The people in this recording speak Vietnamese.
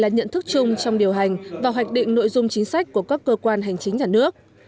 nhận thức chung trong điều hành và hoạch định nội dung chính sách của các cơ quan hành chính nhà nước